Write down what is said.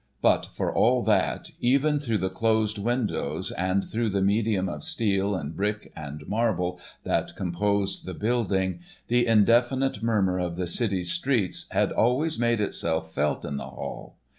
But for all that, even through the closed windows, and through the medium of steel and brick and marble that composed the building the indefinite murmur of the city's streets had always made itself felt in the hall.